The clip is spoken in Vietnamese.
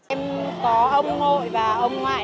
em có ông ngội và ông ngoại